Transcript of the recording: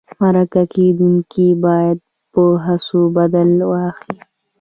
مرکه کېدونکی باید د هڅو بدل واخلي.